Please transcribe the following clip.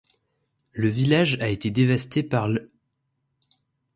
Le village a été dévasté par l'.